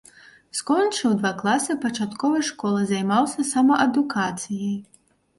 Скончыў два класы пачатковай школы, займаўся самаадукацыяй.